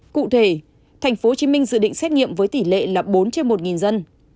cụ thể tp hcm dự định xét nghiệm với tỷ lệ là bốn trên một dân